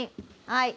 はい。